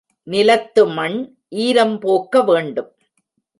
நிலத்து மண் ஈரம் போக்க வேண்டும்.